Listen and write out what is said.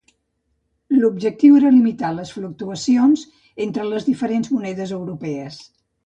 L'objectiu era limitar les fluctuacions entre les diferents monedes europees.